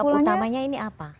penyebab utamanya ini apa